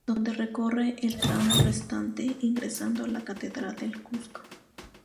Donde recorre el tramo restante, ingresando a la Catedral del Cusco.